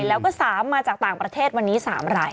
แล้วก็๓มาจากต่างประเทศวันนี้๓ราย